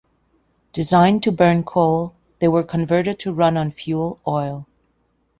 Designed to burn coal, they were converted to run on fuel oil.